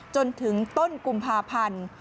จนถึงต้นกุมภาพันธ์